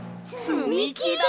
つみきだ！